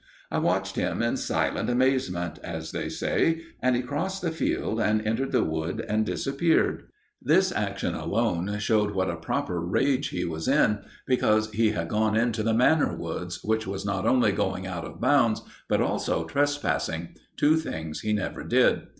I watched him in silent amazement, as they say, and he crossed the field and entered the wood and disappeared. This action alone showed what a proper rage he was in, because he had gone into the Manor Woods, which was not only going out of bounds, but also trespassing two things he never did.